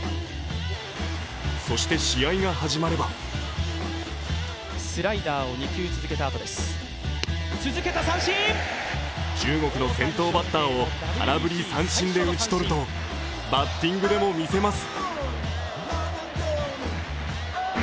そして、試合が始まれば中国の先頭バッターを空振り三振で打ち取るとバッティングでもみせます。